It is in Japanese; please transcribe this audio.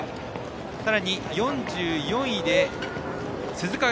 さらに４４位で鈴鹿。